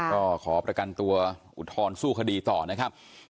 ก็ขอประกันตัวอุทธรณ์สู้คดีต่อนะครับ